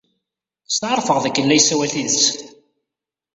Steɛṛfeɣ dakken la yessawal tidet.